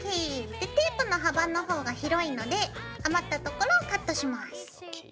でテープの幅の方が広いので余ったところをカットします。